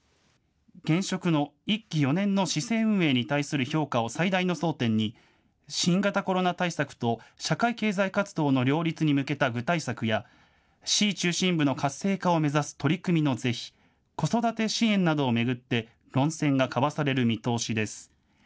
現職の１期４年の市政運営に対する評価を最大の争点に、新型コロナ対策と社会経済活動の両立に向けた具体策や、市中心部の活性化を目指す取り組みの是非、子育て支援などを巡って論戦が交わされる見通しです。